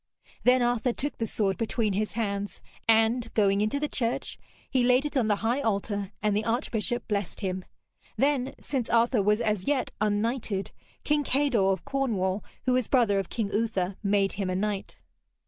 Then Arthur took the sword between his hands and, going into the church, he laid it on the high altar, and the archbishop blessed him. Then, since Arthur was as yet unknighted, King Kador of Cornwall, who was brother of King Uther, made him a knight.